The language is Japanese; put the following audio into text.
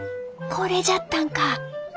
これじゃったんか！